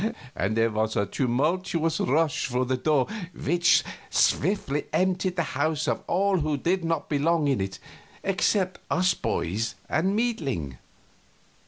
and there was a tumultuous rush for the door which swiftly emptied the house of all who did not belong in it except us boys and Meidling.